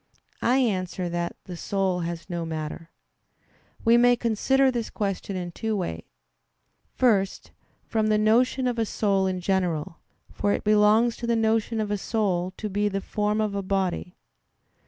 I answer that, The soul has no matter. We may consider this question in two ways. First, from the notion of a soul in general; for it belongs to the notion of a soul to be the form of a body.